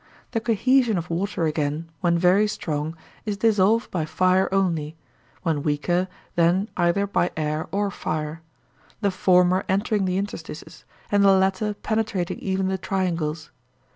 The cohesion of water again, when very strong, is dissolved by fire only—when weaker, then either by air or fire—the former entering the interstices, and the latter penetrating even the triangles.